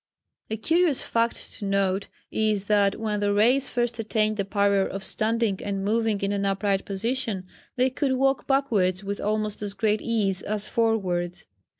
A curious fact to note is that when the race first attained the power of standing and moving in an upright position, they could walk backwards with almost as great ease as forwards.